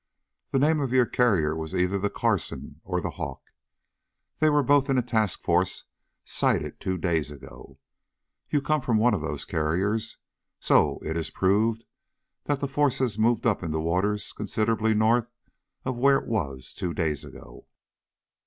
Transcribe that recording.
"The name of your carrier was either the Carson, or the Hawk. They were both in a task force sighted two days ago. You come from one of those carriers, so it is proved that that force has moved up into waters considerably north of where it was two days ago."